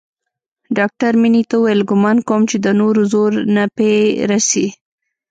ډاکتر مينې ته وويل ګومان کوم چې د نورو زور نه پې رسي.